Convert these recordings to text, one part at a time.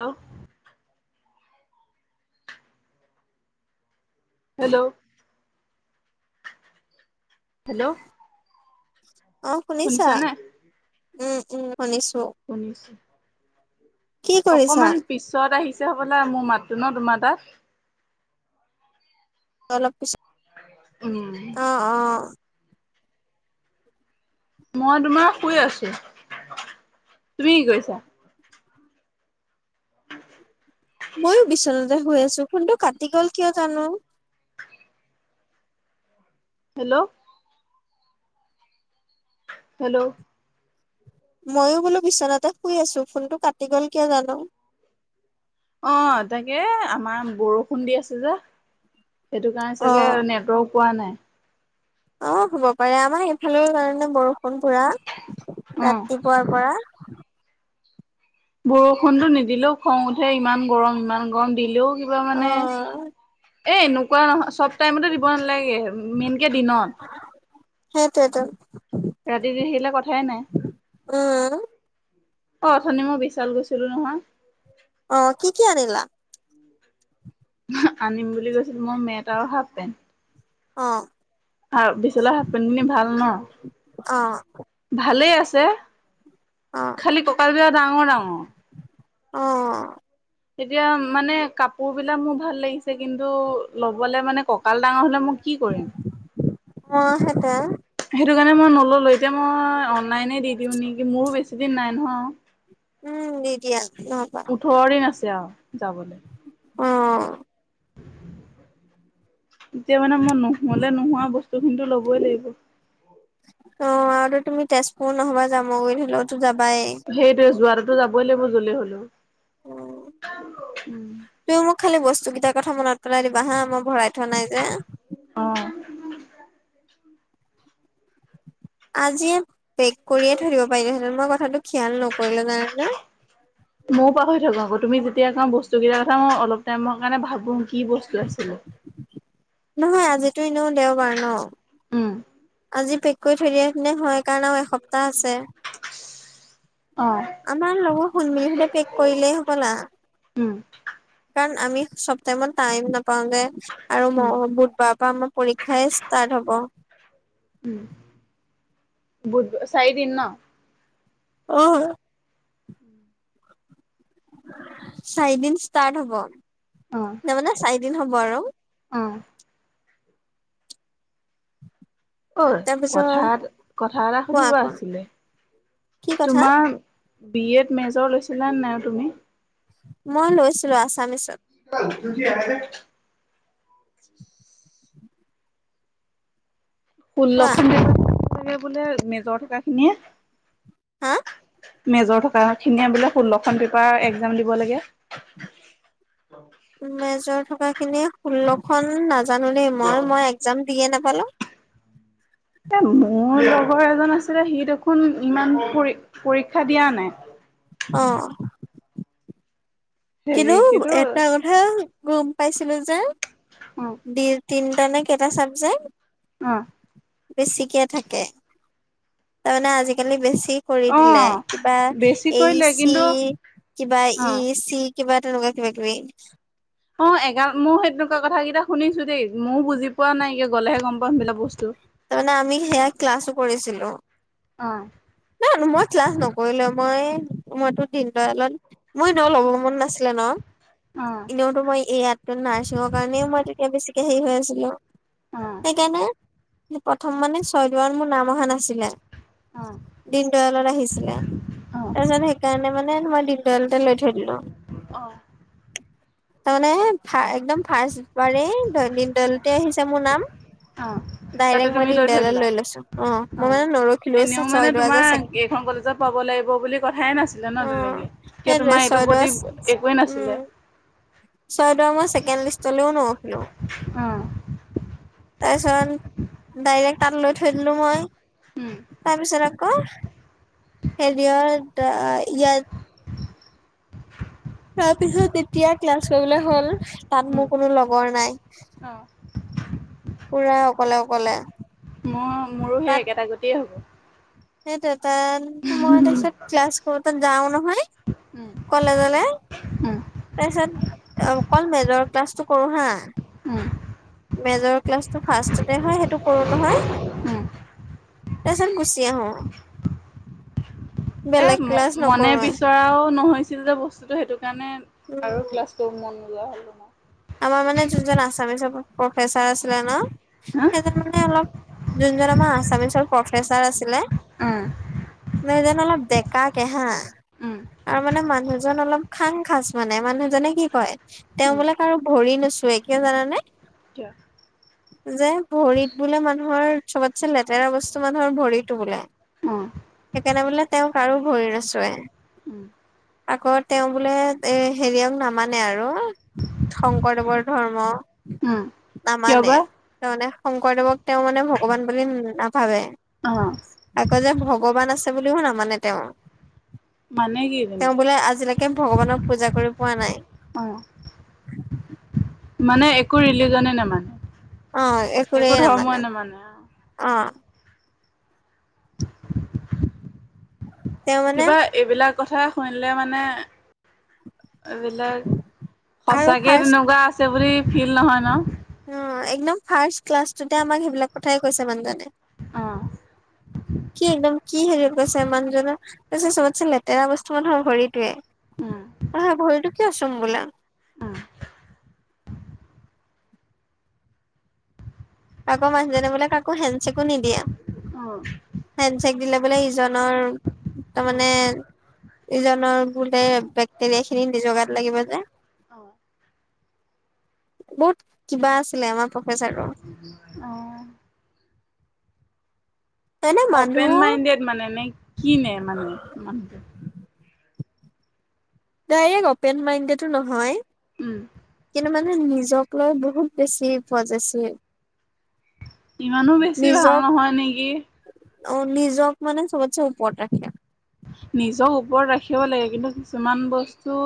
Hello, hello, hello, অ', শুনিছা? শুনিছানে? উম, উম, শুনিছো। শুনিছো। কি কৰিছা অকমান পিছত আহিছে হবলা মোৰ মাততো ন তোমাৰ তাত অলপ পিছত উম। অ, অ, মই তোমাৰ শুই আছো। তুমি কি কৰিছা? ময়ো বিচনাতে শুই আছো। ফোনটো কাটি গ'ল কিয় জানো। হেল্ল', হেল্ল', মইো বোলো বিচনাতে শুই আছো। ফোনটো কাটি গ'ল কিয় জানো? অ', তাকে আমাৰ বৰষুণ দি আছে যে, সেইটো কাৰণে অ চাগে আৰু নেটৱৰ্ক পোৱা নাই। অ', হব পাৰে। আমাৰ সেইফালেও কাৰণে বৰষুণ পুৰা উম। ৰাতিপুৱাৰ পৰা বৰষুণতটো নিদিলেও খং উঠে ইমান গৰম ইমান গৰম দিলেও কিবা অ মানে এ', এনেকুৱা নহয়। চব টাইমতে দিব নালাগে। মেইনকে দিনত সেইটো এই টো ৰাতি ৰাতি আহিলে কথাই নাই। উম অ', অথনি মই বিশাল গৈছিলো নহয়। অ', কি কি আনিলা? আনিম বুলি গৈছিলো। মই মেট আৰু হাফ পেণ্ট। অ', হ বিশালল হাফ পেন্টনী ভাল ন, অ ভালেই আছে। অ খালি ককাল বিলাক ডাঙৰ ডাঙৰ। অ', এতিয়া মানে কাপোৰ বিলাক মোৰ ভাল লাগিছে। কিন্তু লবলে মানে কঁকাল ডাঙৰ হলে মোৰ কি কৰিম? অ সেইটোৱে সেইটো কাৰণে মই নল'লো এতিয়া মই অনলাইনে দি দিওঁ নেকি মোৰো বেছি দিন নাই নহয়। উম', দিয়া নহবা ওঠৰ দিন আছে। আৰু যাবলৈ অ'। এতিয়া মানে মই নোহ'লে নোহোৱা বস্তুখিনিতো লবই লাগিব। অ' আৰু তুমি তেজপুৰ নহবা জামুগুৰিত হ'লেওতো যাবাই। সেইটোয়ে যোৱাটোতো যাবই লাগিব যলে হ'লেও। উম, তুমি মোক খালি বস্তু কেইটাৰ কথা মনত পেলাই দিবা হা, মই ভৰাই থোৱা নাই যে। অ'। আজিয়ে পেক কৰিয়ে থৈ দিব পাৰিলোহেঁতেন, মই কথাটো খিয়াল নকৰিলোঁ জানানে। ময়ো পাহৰি থাকোঁ আকৌ, তুমি যেতিয়া কওঁ বস্তু কেইটাৰ কথা মই অলপ টাইমৰ কাৰণে ভাবোঁ কি বস্তু আছিলে। নহয়, আজিতো এনেও দেওবাৰ ন'। উম। আজি পেক কৰি থৈ দিয়া হেতেনে হয় কাৰণে এসপ্তাহ আছে। অ'। আমাৰ লগৰ খোনমিলিহঁতে পেক কৰিলেই হবলা। উম কাৰণ আমি চব টাইমত টাইম নাপাওঁ যে। আৰু ম উম বুধবাৰৰ পৰা আমাৰ পৰীক্ষাই ষ্টাৰ্ট হ'ব। হুম, বুধ, চাৰিদিন ন'? অ'। চাৰিদিন ষ্টাৰ্ট হ'ব, অ তাৰমানে চাৰি দিন হ'ব আৰু। অ'। ঐ তাৰপিছত হঠাৎ কথা এটা কোৱা সুধিব কোৱা আছিলে, কি কথা তোমাৰ বি এত মেজৰ লৈছিলা নে নাই তুমি? মই লৈছিলোঁ, আছামিছত। [unintelligible] কোৱা ষোল্লখন [unintelligible] বোলে মেজৰ থকাখিনিয়ে? হা মেজৰ থকাখিনিয়ে বোলে ষোল্লখন পেপাৰ এক্সাম দিব লাগে। মেজৰ থকাখিনি ষোল্লখনন নাজানো দেই, মই লাগে। মই এক্সাম দিয়ে নাপালোঁ। এ, মোৰ লগৰ এজন আছিলে সি দেখোন ইমান পৰি-পৰীক্ষা দিয়া নাই। অ'। হেৰি কিন্তু কিটো এটা কথা গম পাইছিলোঁ যে অ'। ডিউ তিনটা নে কেইটা চাবজেক্ট অ'। বেছিকে থাকে। তাৰমানানে আজিকালি বেছি কৰি অ দিলে, কিবা বেছি এ ই কৰিলে চি, কিন্তু কিবা অ ই এ চি কিবা তেনেকুৱা কিবা কিবি। অ' এগাল মোৰ সেই তেনেকুৱা কথাকেইটা শুনিছোঁ দেই, ময়ো বুজি পোৱা নাইে, গ'লেহে গম পাওঁ সেইবিলাক বস্তু। তাৰমানে আমি সেয়া ক্লাছো কৰিছিলোঁ। অ'। অ' মই ক্লাছ নকৰিলেও মই, মইতো দিনদয়ালত মই ন' ল'বৰ মন নাছিলে ন' অ এনেও ত' মই এইয়াত নাৰ্ছিঙৰ কাৰণেও মই তেতিয়া বেছিকে হেৰি হৈ আছিলোঁ অ সেইকাৰণে প্ৰথম মানে ছয়দোৱাৰ মোৰ নাম অহা নাছিলে। অ'। দিননদয়ালত আহিছিলে অ তাৰপিছত সেইকাৰণে মানে তোমাৰ দিনদয়ালতে লৈ থৈ দিলোঁ। অ তাৰমানে ফা একদম ফাৰ্ষ্ট মাৰি দৈনিক দলতে আহিছে মোৰ নাম। অঁ। ডাইৰেক্ট মই দিনদয়ালত লৈ লৈছো, অঁ অ মই মানে নৰখিলো এনেও চা মানে তোমাৰ এইখন কলেজত পাব লাগিব বুলি কথাই নাছিলে ন অ তেনেকে। কিয় সেইটোৱে তোমাৰ এইটোৰ ছয়দোৱা প্ৰতি একোৱেই নাছিলে। ছয়দৰা মই ছেকেণ্ড লিষ্টলেও নৰখিলো। উম। তাৰপিছত ডাইৰেক্ট তাত লৈ থৈ দিলো মই। উম। তাৰপিছত আক হেৰি এটা ইয়াত [inaudible] তাৰপিছত তেতিয়া ক্লাছ কৰিবলে হ'ল, তাত উম মোৰ কোনো লগৰ নাই। অঁ। পোৰা অকলে অকলে। মই মোৰো সেই একেটা গতিয়ে হ'ব। সেইটোৱে তাত মই তাৰপিছত ক্লাছ কৰোতে যাওঁ নহয় উম কলেজলে উম তাৰপিছত অকল মেজৰ ক্লাছটো কৰো হা উম মেজৰ ক্লাছটো ফাৰ্ষ্টতে হয় সেইটো কৰো নহয় উম তাৰপিছত গুচি আহোঁ। এ ম ক্লাছ মনে নকৰোৱে বিচৰাও নহৈছিল যে বস্তুটো সেইটো কাৰণে আৰু উম ক্লাছ কৰিব মন নোযোৱা হল তোমাৰ। আমাৰ মানে যোনজন আছামিচৰ প্ৰফেচাৰ আছিলে ন, হা সেইজন মানে অলপ যোনজন আমাৰ আছামিচৰ প্ৰফেচাৰ আছিলে উম। এজন অলপ ডেকাকে হা উম আৰু মানে মানুহজন অলপ খাং খাচ মানে মানুহজনে কি কয় তেওঁ, উম বোলে কাৰো ভৰি নোচোৱে, কিয় জানানে? কিয়? যে ভৰিত বোলে মানুহৰ চবতছে লেতেৰা বস্তু মানুহৰ ভৰিতো বোলে। অঁ। সেইকাৰেণে বোলে তেওঁ কাৰো ভৰি নোচোৱে। উম। আকৌ তেওঁ বোলে এ হেৰিয়ক নামানে আৰু শংকৰদেৱৰ ধৰ্ম উম কিয় নামানে। বা তেওঁ মানে শংকৰদেৱক তেওঁ মানে ভগৱান বুলি নাভাবে। অঁ আকৌ যে ভগৱান আছে বুলিও নামানে তেওঁ। মানে কি তেওঁ তেন্তে বোলে আজিলেকে ভগৱানক পূজা কৰি পোৱা নাই। অঁ। মানে একো ৰিলিজনে নেমানে? অ একোৱেই নামানে অঁ। [inaudible] তেওঁ মানে কিবা এইবিলাক কথা শুনিলে মানে এইবিলাক আৰু সঁচাকে ফাৰ্ষ্ট তেনেকুৱা আছে বুলি ফিল নহয় ন? অ একদম ফাৰ্ষ্ট ক্লাছটোতে আমাক সেইবিলাক কথাই কৈছে মানুহজনে। অ', [inaudible] কি একদম কি সেৰিত কৈছে, মানুহজন। তাৰপিছত, চবতছে লেতেৰা বস্তু মানুহৰ ভৰিটোৱে। আঁ ভৰিটো কিয় চোম বোলে। অ'! [unintelligible] আকৌ, মানুহজনে বোলে, কাকো হেণ্ডচেকো নিদিয়ে। অ'! হেণ্ডচেক দিলে বোলে ইজনৰ, অ', তাৰমানে ইজনৰ, বোলে, বেক্টেৰিয়া খিনি নিজৰ গাত লাগিব যে। অ', বহুত কিবা আছিলে, আমাৰ প্ৰফেচাৰটো। অ'! মানে অপেন মানুহ মাইণ্ডেড মানে, নে কিনে মানে, মানুহটো? ডাইৰেক্ট অপেন মাইণ্ডডেটো নহয়। উম। কিন্তু মানে, নিজক লৈ, বহুত বেছি পজেচিভ। ইমানো বেছি, ভাল নিজক নহয় নেকি। অ'! নিজক মানে, চবতছে ওপৰত ৰাখে। নিজক ওপৰত ৰাখিব লাগে। কিন্তু, কিছুমান বস্তু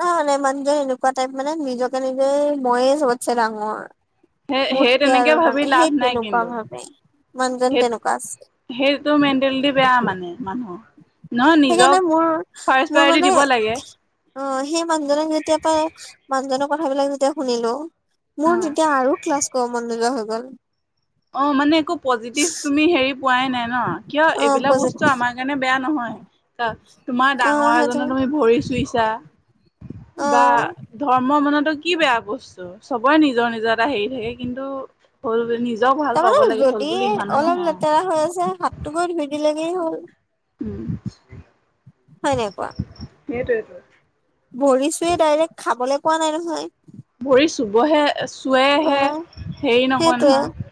নহয় মানে, মানুহ জন এনেকুৱা টাইপ মানে, নিজকে নিজে, মইয়ে চবতছে ডাঙৰ। সেই সেই মোতকে তেনেকে আৰু ডাঙ, ভাবি লাভ সেই নাই তেনেকুৱা কিন্তু। ভাবে, মানুজন সেই তেনেকুৱা আছিল। সেইটো মেণ্টেলিটি বেয়া মানে, মানুহৰ। নহয়, নিজক, সেইকাৰণে মোৰ ফাৰ্ষ্ট মোৰ প্ৰায়ৰিটি মানে দিব লাগে। অ'! সেই মানুহজনক যেতিয়া পৰা, মানুহজনৰ কথাবিলাক যেতিয়া, শুনিলোঁ! মোৰ অ'। তেতিয়া আৰু ক্লাছ কৰিব মন নোযোৱা হৈ গ'ল। অ'! মানে, একো পজিটিভ তুমি সেৰি পোৱাই নাই, ন'। কিয়, অ এইবিলাক পজিত বস্তু আমাৰ কাৰণে বেয়া নহয়। অ'! তোমাৰ অ ডাঙৰ সেইটো এজন তুমি, ভৰি চুইছা। অ বা ধৰ্ম মানেতো কি বেয়া বস্তু! চবৰে, নিজৰ-নিজৰ এটা সেৰি থাকে। কিন্তু, হ'ল বুলি নিজক ভাল পাব তাৰমানে, লাগে হ'ল যদি ইমানো অলপ নহয় লেতেৰা হৈ আছে, হাতটো গৈ, ধুই দিলেগেই হ'ল। [unintelligible] হয় নে কোৱা? সেইটোৱেতো। ভৰি চুইয়ে ডাইৰেক্ট, খাবলৈ কোৱা নাই, নহয়। ভৰি চুবহে, অ চুৱেহে, সেৰি নকয়, সেইটোৱে নহয়।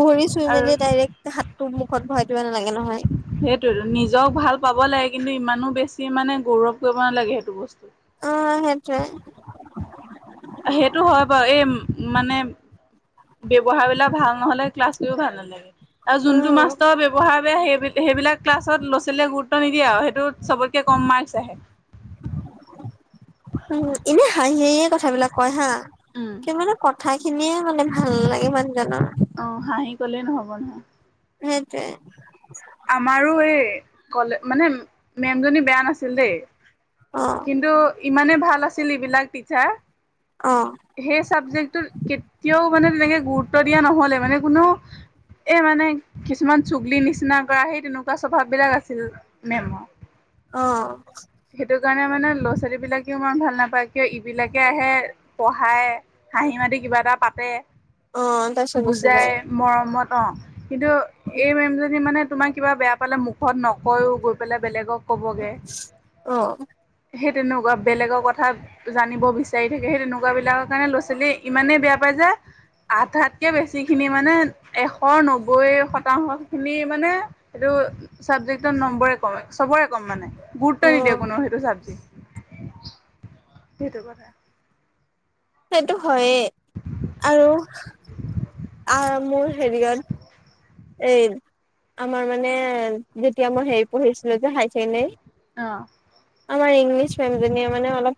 ভৰি আৰু চুই-মেলি ডাইৰেক্ট, হাতটো মুখত ভৰাই দিব নালাগে, নহয়। সেইটোৱেটো, নিজক ভাল পাব লাগে, কিন্তু ইমানো বেছি মানে, গৌৰৱ কৰিব নালাগে, সেইটো বস্তু। অ'! সেইটোৱে। সেইটো হয় বাৰু। এই, মানে ব্যৱহাৰ বিলাক ভাল নহ'লে, ক্লাছ কৰিও ভাল নালাগে। আৰু যোনটো উম মাষ্টৰ ব্যৱহাৰ [unintelligible] সেই, সেইবিলাক ক্লাছত ল'ৰা-ছোৱালীয়ে গুৰুত্ব নিদিয়ে আৰু। সেইটোত, চবতকে কম মাৰ্ক্স আহে। উম, এনে, হাঁহি-হাঁহিয়ে কথাবিলাক কয় হা! উম, কি মানে, ক কথা খিনিয়ে মানে, ভাল লাগে মানুহজনৰ! অ'! হাঁহি ক'লে ন'হব নহয়। সেইটোৱে। আমাৰো এই, ক'লে, মানে, মে'মজনী বেয়া নাছিল, দেই। অ কিন্তু, ইমানেই ভাল আছিল, এইবিলাক টিচাৰ। অ' সেই চাবজেক্টটোত কেতিয়াও মানে তেনেকে গুৰুত্ব দিয়া ন'হলে মানে কোনো এই মানে কিছুমান চুগলি নিচিনা কৰা সি তেনেকুৱা স্বভাৱ বিলাক আছিল মে'ম। অ'। সেইটো কাৰণে মানে ল'ৰা ছোৱালী বিলাকেও ইমান ভাল নাপায় কিয় ইবিলাকে আহে পঢ়ায় হাঁহি মাতি কিবা এটা পাতে অ তাৰপিছত গুচি বুজাই যায় মৰমত। অ', কিন্তু এই মেম জনী মানে তোমাক কিবা বেয়া পালে মুখত নকয়েও গৈ পেলাই বেলেগক ক'বগে অ সেই তেনেকুৱা বেলেগৰ কথা জানিব বিচাৰি থাকে, সেই তেনেকুৱা বিলাকৰ কাৰণে ল'ৰা ছোৱালী ইমানেই বেয়া পায় যে আধাতকে বেছি খিনি মানে এশ নব্বৈ শতাংশ খিনি মানে সেইটো চাবজেক্টৰ নম্বৰে ক'ম চবৰে কম মানে অ গুৰুত্ব নিদিয়ে কোনো সেইটো চাবজেক্ট। সেইটো কথা। সেইটো হয়ে আৰু উ [unintelligible] আ মোৰ হেৰি কাৰত [unintelligible] এই আমাৰ মানে যেতিয়া মই হেৰি পঢ়িছিলোঁ যে হাই ছেকেণ্ডৰী অ'। আমাৰ ইংলিছ মে'মজনীয়ে মানে অলপ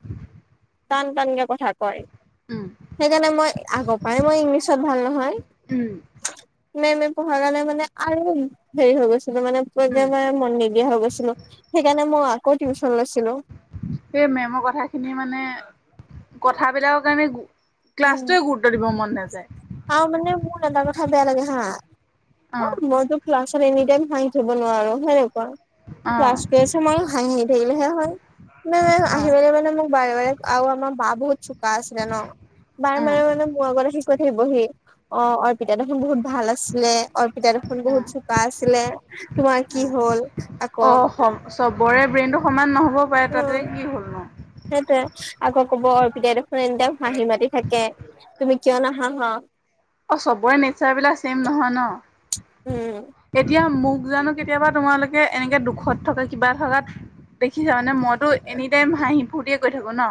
টান টানকে কথা কয়। উম, সেইকাৰণে মই আগৰ পৰাই মই ইংলিছত ভাল নহয় উম, মেম পঢ়াৰ কাৰণে মানে আৰু হেৰি হৈ গৈছে। মানে উম, মে মন নিদিয়া হৈ গৈছিলোঁ, সেইকাৰণে মই আকৌ টিউশচন লৈছিলোঁ। সেই মে'মৰ কথা খিনি মানে কথাবিলাকৰ কাৰণে ক্লাছটোৱে গুৰুত্ব দিব মন নাযায়। আৰু মানে মোৰ এটা কথা বেয়া লাগে হা অ', মইতো ক্লাছত এনি টাইম শুনি থাকিব নোৱাৰো সেনেকুৱা। অ', ক্লাছ কৰি আছে মই হাঁহি থাকিলেহে হয়। মানে অ', আহিপেলে মানে মোক বাৰে, বাৰে আ আমাৰ বা বহুত চোকা আছিলে ন। বাৰ, বাৰ উম, মানে মোৰ আগততে শিকৈ থাকিব হি অ অৰ পিতা দেখি বহুত ভাল আছে। আছিলে অৰ্পিতা দেখোন উম, বহুত চোকা আছিলে তোমাৰ কি উম, হ'ল আকৌ অ', চবৰে ব্ৰেইনটো সমান নহ'ব পাৰে উম তাতে কি হ'ল। নো সেইটোৱে আকৌ ক'ব অৰ্পিতাই দেখোন এনে দে হাঁহি মাতি থাকে তুমি কিয় নাহাহা। অ', চবৰে নেচাৰ বিলাক ছেম নহয় ন উম এতিয়া মোক জানোঁ কেতিয়াবা তোমালোকে এনেকে দুখত থকা কিবা থকাত দেখিছা মানে মইতো এনি টাইম হাঁহি ফূৰ্তিয়ে কৰি থাকো ন,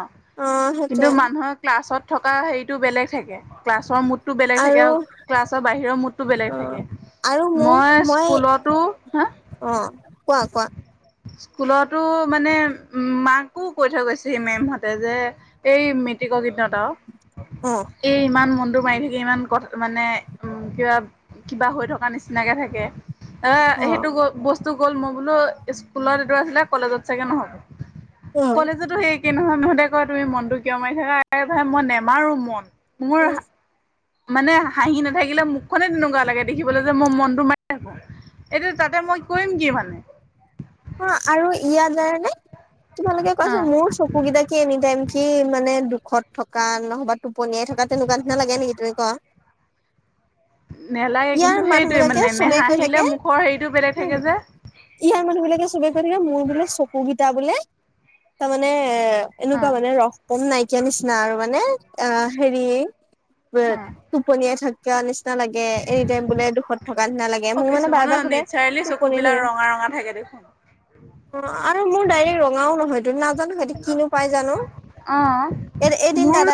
অ কিন্তু সেইটোৱে মানুহক ক্লাছত থকা হেৰিতটো বেলেগ থাকে ক্লাছৰ মুডটো বেলেগ থাকে আৰু ক্লাছৰ বাহিৰৰ মুডটো বেলেগ অ থাকে। আৰু মোক মই স্কুলতো হা অ কোৱা কোৱা স্কুলতো মানে মাকো কৈ থৈ গৈছেহি মেমহতে যে এই মেট্ৰিকৰ কেইদিনত আৰু অ এই ইমান মনটো মাৰি থাকি ইমান ক মানে উ কিবা, কিবা হৈ থকা নিচিনাকে থাকে। অ', সেইটো বস্তু গ'ল মই বোলো স্কুলত এ আছিলে কলেজত চাগে নহ'ব উম কলেজতো সেই কি নহয় নহঁতে কয় তুমি মনতটো কিয় মাৰি থাকা ভাই মই নেমাৰো মন মোৰ উম মানে হাঁহি নাথাকিলে মুখনে তেনেকুৱা লাগে দেখিবলৈ যে মই মনতটো মাৰি থাকো। এইটো তাতে মই কৰিম কি মানে অ আৰু ইয়াত যায় নে তোমালোকে কোৱা অ চোন মোৰ চ কুকেইটা কি এনি টাইম কি মানে দুখত থকা নহবা টোপনিয়াই থকা তেনেকুৱা দিনা লাগে নেকি তুমি কোৱা? নেলাগে ইয়াৰ কিন্তু, মানুহ সেইটোয়ে বিলাকে মানে চবেই কৈ থাকে নেহাহিলে মুখৰ হেৰিটো বেলেগ থাকে যে। ইয়াৰ মানুহ বিলাকে চবে কৈ থাকে মোৰ বোলে চকুকেইটা বোলে তাৰমানে অ এনেকুৱা মানে ৰস কম নাইকিয়া নিচিনা আৰু মানে অ হেৰি বে অ টোপনিয়াই থ কা নিচিনা লাগে এনি টাইম বোলে দুখত থকা নিচিনা লাগে অ মোক মানে বাৰে কিছুমানৰ বাৰে সুধে নেচাৰেলি টোপনি চকুবিলাক ধৰি ৰঙা ৰঙা থাকে দেখোন। অঁ আৰু মোৰ ডাইৰেক্ট ৰঙাও নহয় তুমি নাজানো সিহঁতি কিনো পাই জানো। অঁ। এ এদিন দাদাই